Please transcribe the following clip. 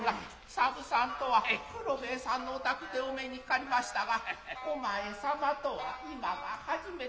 三婦さんとは九郎兵衛さんのお宅でお目にかかりましたがお前様とは今が初めて。